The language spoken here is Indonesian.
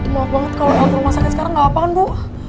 maaf banget kalo el ke rumah sakit sekarang gak apa apaan bu